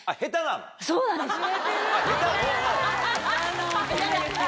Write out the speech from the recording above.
そうなんですよ。